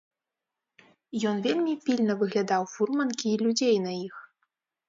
Ён вельмі пільна выглядаў фурманкі і людзей на іх.